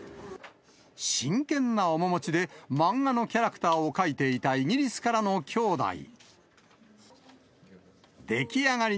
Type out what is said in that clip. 真剣な面持ちで、漫画のキャラクターを描いていたイギリスからのきょうだい。